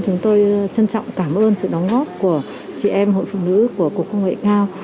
chúng tôi trân trọng cảm ơn sự đóng góp của chị em hội phụ nữ của cục công nghệ cao